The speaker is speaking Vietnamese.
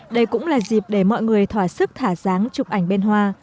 đây cũng là dịp để mọi người thỏa sức thả dáng chụp ảnh bên hoa